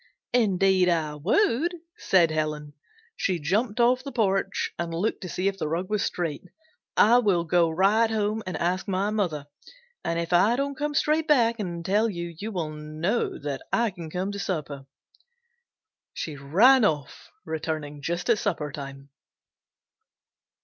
"Indeed I would!" said Helen. She jumped off the porch and looked to see if the rug was straight. "I will go right home and ask my mother and if I don't come straight back and tell you, you will know that I can come to supper." She ran off, returning just at supper time.